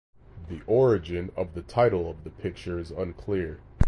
The origin of the title of the picture is unclear.